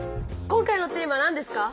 今回のテーマはなんですか？